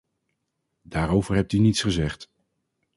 Daarover hebt u niets gezegd.